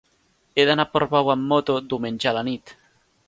He d'anar a Portbou amb moto diumenge a la nit.